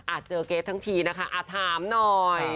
เจอเกรททั้งทีนะคะถามหน่อย